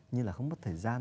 như là không có thời gian